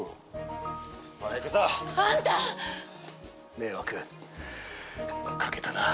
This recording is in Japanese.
迷惑かけたな。